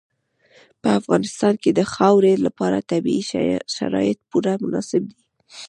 په افغانستان کې د خاورې لپاره طبیعي شرایط پوره مناسب دي.